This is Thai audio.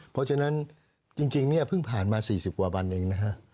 เพราะฉะนั้นจริงเนี่ยเพิ่งผ่านมา๔๐กว่าวันเองนะฮะ